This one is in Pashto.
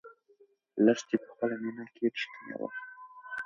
لښتې په خپله مینه کې رښتینې وه.